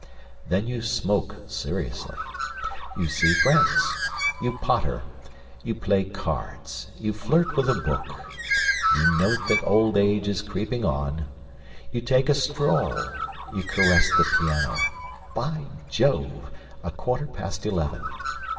Then you smoke, seriously; you see friends; you potter; you play cards; you flirt with a book; you note that old age is creeping on; you take a stroll; you caress the piano.... By Jove! a quarter past eleven.